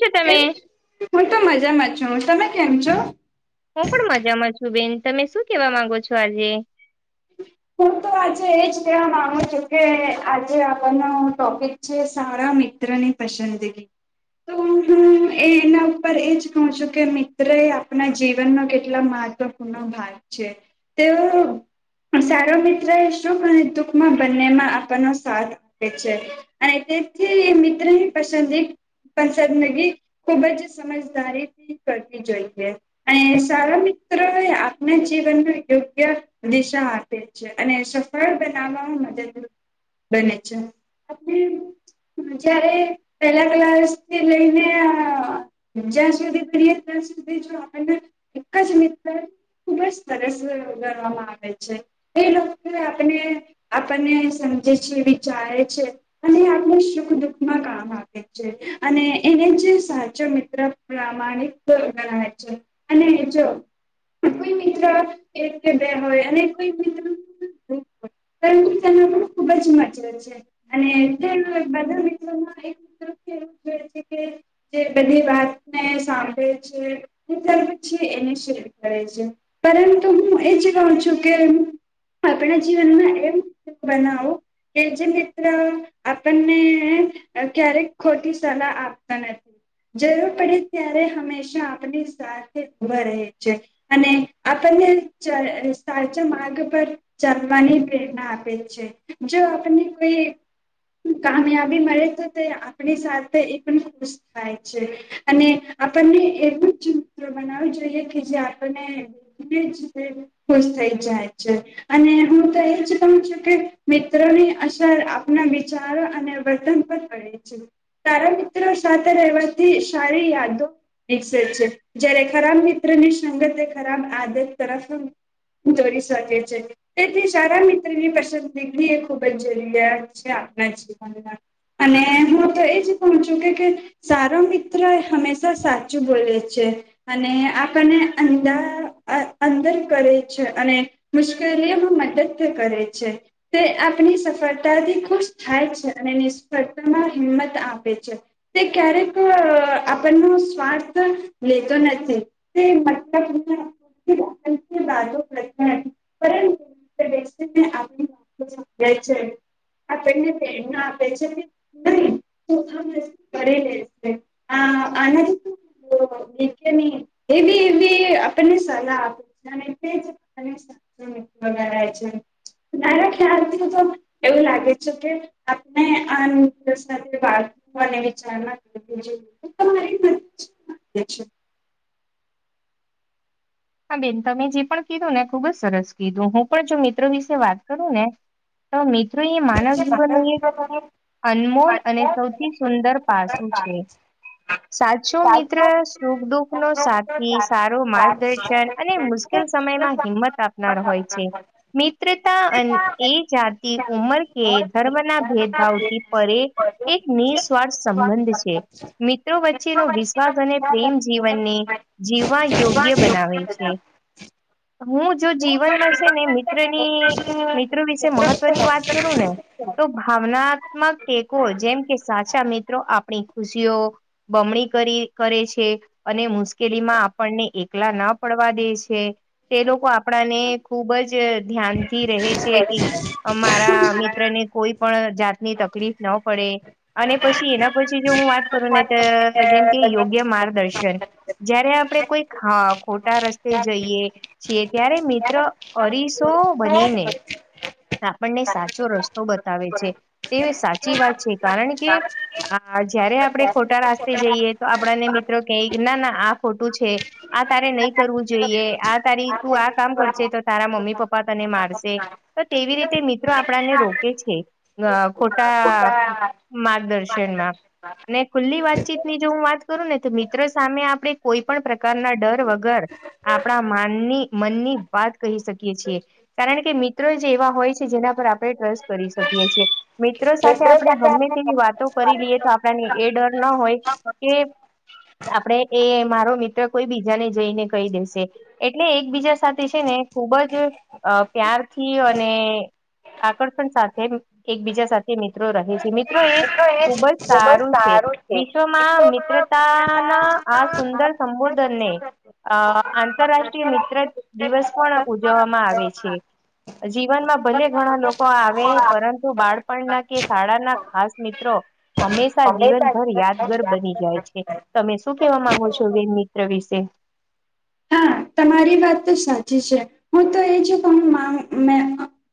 છો તમે? કેમ છે, હું તો મજામાં છું. તમે કેમ છો? હું પણ મજામાં છું બેન. તમે શું કેવા માંગો છો આજે? હું તો આજે એજ કેવા માગુ છું કે, આજે આપણનો ટોપિક છે, સારા મિત્રની પસંદગી. તો, હું એ એના ઉપર એજ કહું છું, કે મિત્ર એ આપણા જીવનનો કેટલા મહત્વ નો ભાગ છે. તેઓ સારો મિત્ર એ સુખ અને દુખમાં બંનેમાં આપણનો સાથ દે છે. અને તેથી મિત્રની પસંદી પસંદગી ખૂબ જ સમજદારીથી કરવી જોઈએ. અને સારા મિત્રો એ આપના જીવનને યોગ્ય દિશા આપે છે, અને સફળ બનાવવામાં મદદરૂપ બને છે. આથી જયારે પેલા ક્લાસથી લઈને અં જ્યાં સુધી કરીએ ત્યાં સુધી જો આપણને એક જ મિત્ર ખૂબ જ સરસ ગણવામાં આવે છે. એ લોકો આપને આપણને સમજે છે, વિચારે છે. અને આપને સુખ દુઃખમાં કામ આપે. અને એને જે સાચો મિત્ર પ્રામાણિક ગણાય છે. અને જો કોઈ મિત્ર એક બે હોય અને કોઈ અને તે ખુબ જ મજવે છે અને [unintelligible] એવું છે કે જે બધી વાતને સાંભળે છે. તો પછી એને શેર કરે છે પરંતુ હું એ જ કહું છું કે, આપણા જીવનમા [unintelligible] બનાવો કે જે મિત્ર આપણને ક્યારેક ખોટી સલાહ આપતા નથી. જરૂર પડે ત્યારે હંમેશા આપની સા થે ઉભા રહે છે અને આપણને ચ સાચો માર્ગ જમવાની પ્રેરણા આપે છે જો આપણને કોઈ કામયાબી મળે તો તે આપણી સાથે એ પણ ખુશ થાય છે. અને આપણને એવું જ મિત્ર બનાવું જોઈએ કે જે આપણને [unintelligible] ખુશ થઈ જાય છે અને હું તો એજ કહું છું કે મિત્રોની અસર આપના વિચારો અને વર્તન પર રહે છે સારા મિત્રો સાથે રહેવાથી સારી યાદો [unintelligible] જયારે ખરાબ મિત્રની સંગત એ ખરાબ આદત તરફ જોડી શકે છે. તેથી સારા મિત્ર ની પસંદગીની એ ખુબ જ જરૂરિયાત છે આપના જીવન અને હું તો એજ કહું છું કેકે સારો મિત્ર એ હંમેશા સાચું બોલે છે. અને આણને અંદા અંદર કરે છે અને મુશ્કેલીઓમાં મદદ ભી કરે છે. તે આપણી સફળતાથી ખુશ થાય છે અને નિષ્ફળતામાં હિંમત આપે છે. તે ક્યારેક આપણનો સ્વાર્થ લેતો નથી. તે [unintelligible] પરંતુ- [unintelligible] છે. આપણને પ્રેરણાના આપે છે. [unintelligible] - હ, આનાથી [unintelligible] [unintelligible] એવી એવી આપણને સલાહ આપે છે અને તેજ [unintelligible] મારા ખ્યાલથ તો, એવું લાગે છે કે આપણને આ વિચાર, છ [unintelligible] હા બેન તમે જે પણ કીધું ને ખૂબજ સરસ કીધું હું પણ જો મિત્રો વિશે વાત કરું ને, તો મિત્રો એ માનવ જીવનનું એક, અનમોલ અને સૌથી સુંદર પાસું છે., સાચો મિત્ર સુખદુઃખ નો સાથી સાચો માર્ગદર્શક, અને મુશ્કેલ સમયમાં હિંમત આપનાર હોય છે, મિત્રતા અને એ જાતિ ઉંમર કે ધર્મના ભેદ, થી પરે એક નિસ્વાર્થ સંબંધ છે, મિત્રો વચ્ચેનો વિશ્વાસ અને પ્રેમ જીવનને જીવવા યોગ્ય બનાવે, છે હું જો જીવનમાં છે ને મિત્રની, મિત્રો વિશે મહત્વની વાત કરું ને, તો ભાવનાત્મક ટેકો જેમકે સાચા મિત્રો આપણી ખુશીઓ, બમણી કરી કરે છે અને મુશ્કેલી, કેલીમાં આપણને એકલા ના પડવા દે છે. તે લોકો આપણાને ખુબ જ અઅઅ ધ્યાનથી રહે છે કે અમારા મિત્રને કોઈ પણ જાતની તકલીફ ના પડે. અને પછી એના પછી જો હું વાત કરું ને તો, જેમ કે યોગ્ય માર્ગદર્શન જયારે આપણે કોઈક અઅઅ ખોટા રસ્તે જઈએ છીએ, ત્યારે મિત્ર અરીસો બનીને આપણને સાચો રસ્તો બતાવે છે તે સાચી વાત છે. કારણ કે આ જયારે આપણે ખોટા રાસ્તે જઈએ તો, આપણને મિત્રો કે ના ના આ ખોટું છે. આ તારે નહીં કરવું જોઈએ. આ તારી તું આ કામ કરશે તો, તારા મમ્મી પપ્પા તને મારશે. તો તેવી રીતે મિત્રો આપણાને રોકે છે. [unintelligible] ખોટા માર્ગદર્શનમાં અને ખુલ્લી વાતચીતની જો હું વાત કરું ને તો મિત્રો સામે આપણે કોઈ પણ પ્રકારના ડર વગર આપણા માનની મનની વાત કહી શકીએ છીએ. કારણ કે મિત્રોજ એવા હોય છે જેના પર આપણે ટ્રસ્ટ કરી શકીએ છીએ. મિત્રો સાથે આપણે ગમે તેવી વાતો કરી લઈએ તો એ ડર ના હોય કે આપણે એ મારો મિત્ર કોઈ બી બીજાને જઈને કહી દેશે. એટલે એકબીજા સાથે છે ને ખૂબ જ અ પ્યારથી અને અઅઅ આગળ પણ સાથે એકબીજા સાથે મિત્રો રહે છે. મિ જો એ ખુબ જ સારું છે. વિશ્વમાં મિત્રતાના આ સુંદર સંબોધનને અ આંતરરાષ્ટ્રીય મિત્ર દિવસ પણ ઉજવવામાં આવે છે. જીવનમાં ભલે ઘણા લોકો આવે, પરંતુ બાળપણના કે શાળાના ખાસ મિત્રો હંમેશા જીવનભર યાદગર બની જાય છે. તમે શું કેવા માંગો છો? બે મિત્ર વિશે. હા તમારી વાત તો સાચી છે. હું તો એ છે કે હમ્મ માં મે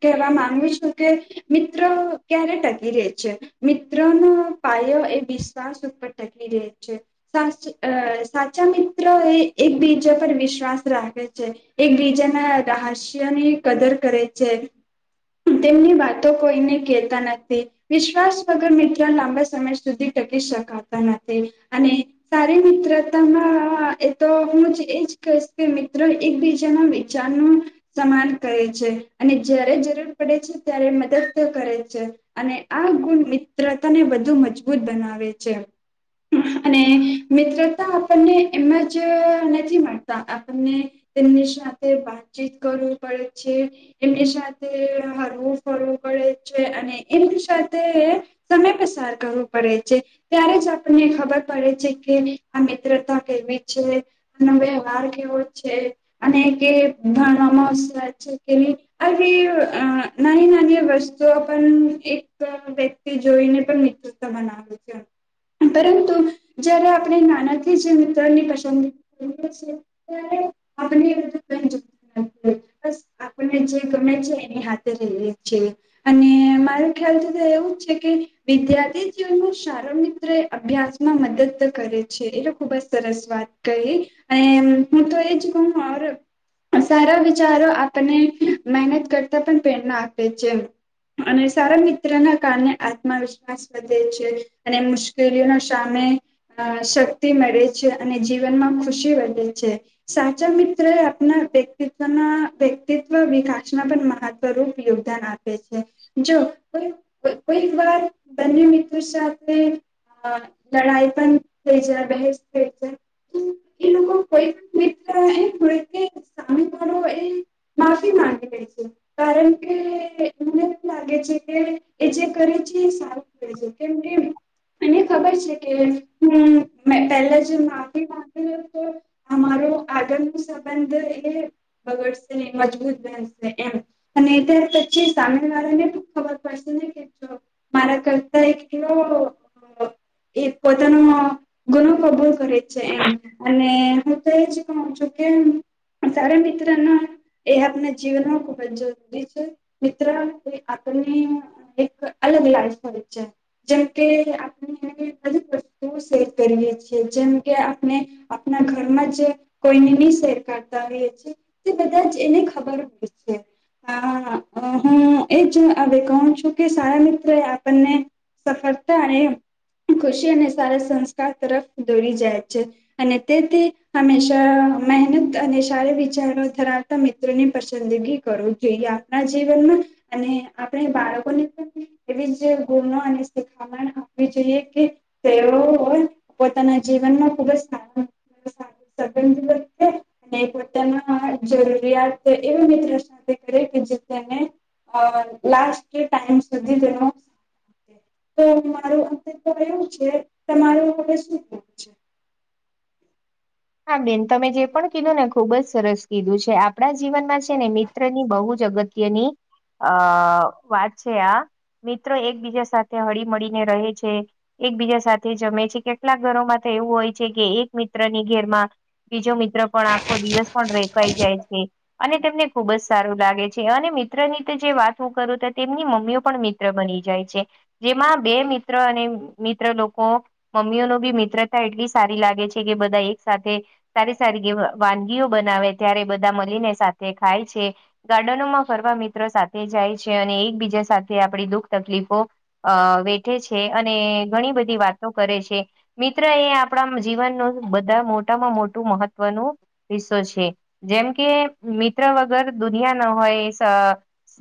કહેવા માંગુ છું કે મિત્રો ક્યારે ટકી રહેે છે? મિત્રનો પાયો એ વિશ્વાસ ઉપર ટકવી રહે છે. સા અઅઅ સાચા મિત્ર એ એકબીજા પર વિશ્વાસ રાખે છે. એકબીજા ના રહાસ્ય ની કદર કરે છે. તેમની વાતો કોઈને કેતા નથી. વિશ્વાસ વગર મિત્રો લાંબા સમય સુધી ટકી શકાતા નથી અને સારી મિત્રતામાં એ તો હું જ એજ કશ કે મિત્રને એકબીજાના વિચારનું સમાન કહે છે અને જ્યારે જરૂર પડે છે ત્યારે મદદ કરે છે. અને આ ગુણ મિત્રતાને વધુ મજબૂત બનાવે છે. અને મિત્રતા આપણને એમ જ અઅઅ નથી મળતા. આ અને તેમની સાથે વાતચીત કરવું પડે છે. એમની સાથે હરવું ફરવું પડે છે અને એમની સાથે એએ. સમય પસાર કરવું પડે છે. ત્યારે જ આપણને ખબર પડે છે કે આ મિત્રતા કેવી છે? આનો વ્યવહાર કેવો છે અને કે ભણવામાં સત છે કે? આહી નાની નાની વસ્તુઓ પણ એક વ્યક્તિ જોઈને પણ તમા ના. [unintelligible] પરંતુ જ્યારે આપણે નાનાથી જે મિત્રની પસંદગી કરીએ છીએ ત્યારે આપણને [unintelligible] આપને જે ગમે છે એની હાથે રહીએ છે. અને મારો ખ્યાલથી તો એવું જ છે કે વિદ્યાર્થી જીવનમાં શારિરિક અભ્યાસ માં મદદ કરે છે એ તો ખૂબ જ સરસ વાત કહી અને હું તો એજ કહું ઓર સારા વિચારો આપણને મહેનત કરતા પણ પ્રેરણા આપે છે. અને સારા મિત્રના કારણે આત્મવિશ્વાસ વધે છે અને મુશ્કેલીઓનો સામે અ શક્તિ મળે છે અને જીવનમાં ખુશી વધે છે. સાચા મિત્ર એ આપના વ્યક્તિત્વના વ્યક્તિત્વ વિકાસના પણ મહ સ્વરૂપ યોગદાન આપે છે જો કોઈ કોઈક વાર બંને મિત્રો સાથે લડાઈ પણ થઈ જાય બહેસ થઈ જાય એ લોકો કોઈ [unintelligible] કે [unintelligible] માફી માંગી લે છે. કારણ કે એમને એમ લાગે છે કે એ જે કરે છે સારું કરે છે જે કેમ કે એને ખબર છે કે હું પેલા જે માફી માગું તો અમારો આગળ નો સંબંધ એ બગડશે ની મજબૂત બનશે એમ. અને ત્યારે પછી સામે વાળા ને ખબર પડશે ને કે મારા કરતા એક એવો એ પોતાનો ગુનો કબૂલ કરે છે એમ અને [unintelligible] સારા મિત્રનો એ આપણે જીવનમાં ખુબ જ જરૂરી છે મિત્ર આપને એક અલગ લાઈફ હોય છે. જેમકે આપણેને બધી જ વસ્તુઓ સેર કરીએ છીએ જેમકે આપણે આપણા ઘરમાં જે કોઈને ની શેર કરતા હોઈએ છે. તે બધા જ એને ખબર હોય છે. હા હું એજ એવ કહું છું કે સારા મિત્ર આપણને સફળતા અને ખુશી અને સારા સંસ્કાર તરફ દોરી જાય છે અને તેથી હંમેશા મહેનત અને સારા વિચારો ધરાવતા મિત્રોની પસંદગી કરો જોઈએ. આપણા જીવનમાં અને આપણે બાળકો ને પણ એવી જ ગુણો અને શીખ આપણાને આપવી જોઈએ કે તેઓ હોય પોતાના જીવનમાં ખુબ જ સારો [unintelligible] [unintelligible] અને પોતાના [unintelligible] જરૂરિયાત એવી મિત્રો સાથે કરે કે જે તેને અ લાસ્ટ ટાઈમ સુધી તેનો આપે. તો મારું અંતે તો એવું છે તમારું હવે શું કેવું છે હા બેન તમે જે પણ કીધું ને ખુબ જ સરસ કીધું છે આપણા જીવનમાં ને મિત્ર ની બહુ જ અગત્યની આ વાત છે આ મિત્રો એકબીજા સાથે હળી મળીને રહે છે. એક બીજા સાથે જમે છે કેટલાક ઘરોમાં તો એવું હોય છે કે એક મિત્ર ની ઘેરમાં બીજો મિત્ર પણ આખો દિવસ પણ [unintelligible] જાય છે. અને તેમને ખુબ જ સારું લાગે છે અને મિત્રની તો જે વાત હું કરું તો તેમની મમ્મીઓ પણ મિત્ર બની જાય છે જેમાં બે મિત્ર અને મિત્ર લોકો મમ્મીઓ નો બી મિત્રતા એટલી સારી લાગે છે કે બધા એક સાથે સારી સારી વાનગીઓ બનાવે ત્યારે બધા મળીને સાથે ખાય છે. ગાર્ડનોમાં ફરવા મિત્રો સાથે જાય છે અને એકબીજા સાથે આપડી દુઃખ તકલીફો અ વેઠે છે અને ઘણી બધી વાતો કરે છે. મિત્ર એ આપણા જીવનનું બધા મોટામાં મોટું મહત્વનું હિસ્સો છે જેમ કે મિત્ર વગર દુનિયા ન હોય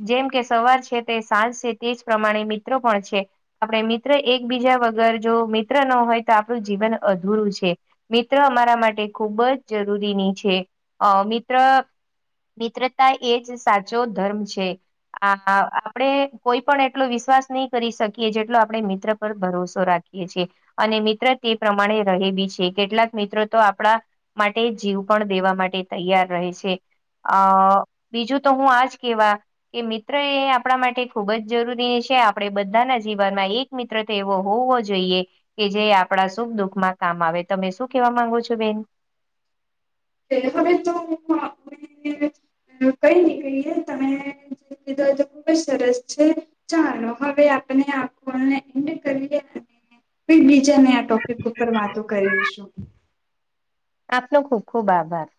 જેમ કે સવાર છે તે સાંજ છે તે જ પ્રમાણે મિત્રો પણ છે. આપણે મિત્ર એકબીજા વગર જો મિત્ર ન હોય તો આપણું જીવન અધૂરું છે. મિત્ર અમારા માટે ખૂબ જ જરૂરીની છે મિત્ર મિત્રતા એ જ સાચો ધર્મ છે. આ આપણે કોઈ પણ એટલો વિશ્વાસ નહી કરી શકીએ જેટલો આપણે મિત્ર પર ભરોસો રાખી શકીએ છે અને મિત્ર તે પ્રમાણે રહે બી છે. કેટલાક મિત્રો તો આપડા માટે જીવ પણ દેવા માટે તૈયાર રહે છે. અ બીજું તો હું આજ કેવા કે મિત્ર એ આપણા માટે ખૂબ જ જરૂરી છે આપણે બધાના જીવનમાં એક મિત્ર તો એવો હોવો જોઈએ કે જે આપણા સુખ દુઃખ માં કામ આવે તમે શું કેવા માંગો છો બેન [unintelligible] આપને કઈ ની કહીએ તમે [unintelligible] તો ખુબ જ સરસ છે ચાલો હવે આપણે આખોને [unintelligible] ફરી બીજાને આ ટોપિક ઉપર વાતો કરીશું આપનો ખુબ ખુબ આભાર.